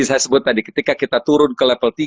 saya sebut tadi ketika kita turun ke level tiga